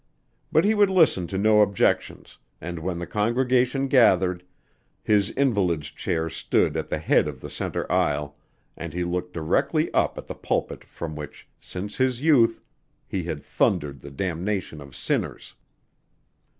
But he would listen to no objections and when the congregation gathered, his invalid's chair stood at the head of the center aisle and he looked directly up at the pulpit from which, since his youth, he had thundered the damnation of sinners.